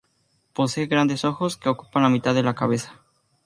Posee grandes ojos, que ocupan la mitad de la cabeza.